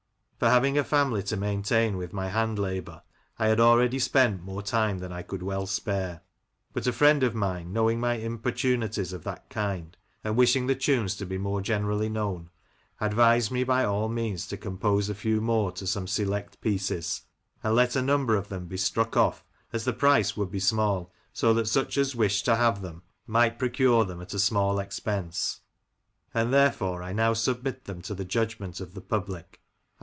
For, having a family to maintain with my hand labour, I had already spent more time than I could well spare; but a friend of mine, knowing my importunities of that kind, and wishing the tunes to be more generally known, advised me by all means to compose a few more to some select pieces, and let a number of them be struck off, as the price would be small, so that such as wished to have them 62 Lancashire Characters and Places, might procure them at a small expense; and therefore I now submit them to the judgment of the public— •!